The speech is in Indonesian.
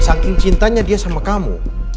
saking cintanya dia sama kamu